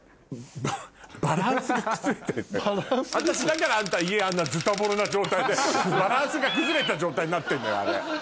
私だからあんた家あんなズタボロな状態でバランスが崩れた状態になってんのよあれ。